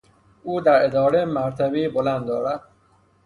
او در اداره مرتبهای بلند دارد.